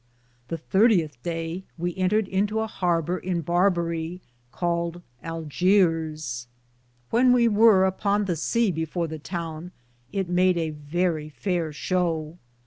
The 30th daye we entered into a harber in Barberia, Caled Argeare.^ When we weare upon the sea before the towne it made a verrie fayer show.